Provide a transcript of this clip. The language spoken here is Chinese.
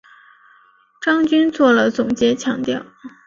张军作了总结强调